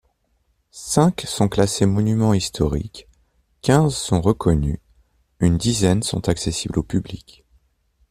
Cinq sont classés monuments historiques, quinze sont reconnus, une dizaine sont accessibles au public.